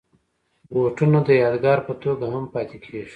بوټونه د یادګار په توګه هم پاتې کېږي.